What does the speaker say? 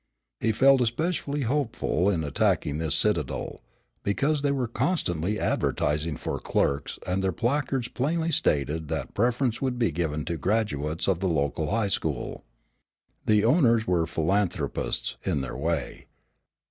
He felt especially hopeful in attacking this citadel, because they were constantly advertising for clerks and their placards plainly stated that preference would be given to graduates of the local high school. The owners were philanthropists in their way.